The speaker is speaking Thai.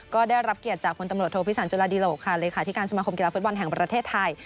ก็ได้รับเกียรติจากพลตำรวจโทพิสันจุฬาดีหลกค่ะเลขาธิการสมาคมกีฬาฟุตบอลแห่งประเทศไทย